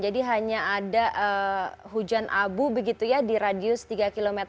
jadi hanya ada hujan abu begitu ya di radius tiga km